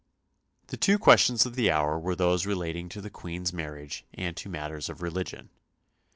The two questions of the hour were those relating to the Queen's marriage and to matters of religion.